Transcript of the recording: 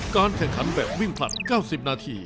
การแข่งขันแบบวิ่งผลัด๙๐นาที